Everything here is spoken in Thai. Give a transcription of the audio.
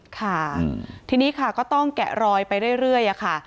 ค่ะทีนี้ค่ะก็ต้องแกะรอยไปเรื่อยค่ะ